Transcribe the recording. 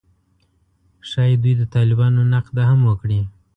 ښايي دوی د طالبانو نقد هم وکړي